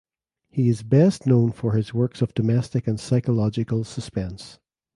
He is best known for his works of domestic and psychological suspense.